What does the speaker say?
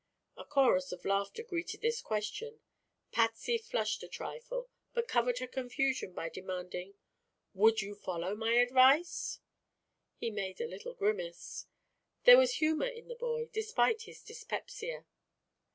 A chorus of laughter greeted this question. Patsy flushed a trifle but covered her confusion by demanding: "Would you follow my advice?" He made a little grimace. There was humor in the boy, despite his dyspepsia.